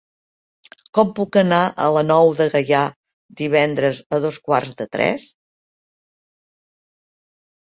Com puc anar a la Nou de Gaià divendres a dos quarts de tres?